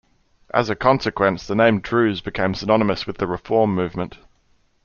As a consequence, the name "Druze" became synonymous with the reform movement.